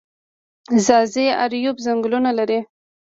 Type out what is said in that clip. ځاځي اریوب ځنګلونه لري؟